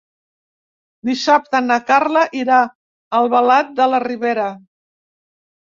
Dissabte na Carla irà a Albalat de la Ribera.